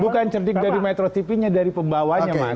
bukan cerdik dari metro tv nya dari pembawanya mas